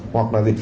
hoặc là gì